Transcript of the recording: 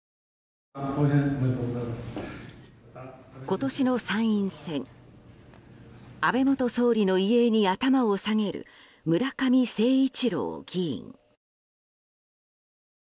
今年の参院選安倍元総理の遺影に頭を下げる村上誠一郎議員。